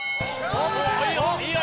いいよ！